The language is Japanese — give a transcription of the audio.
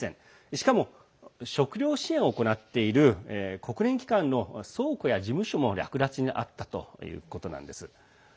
しかも、食料支援を行っている国連機関の倉庫や事務所も略奪に遭ったということなんです。